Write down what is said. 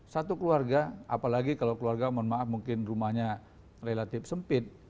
satu keluarga apalagi kalau keluarga mohon maaf mungkin rumahnya relatif sempit